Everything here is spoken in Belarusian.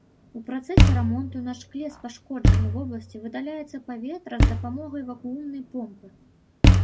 У працэсе рамонту на шкле з пашкоджанай вобласці выдаляецца паветра з дапамогай вакуумнай помпы.